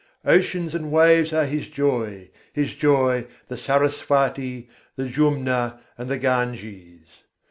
Oceans and waves are His joy: His joy the Sarasvati, the Jumna, and the Ganges.